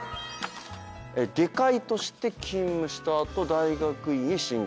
「外科医として勤務した後大学院へ進学」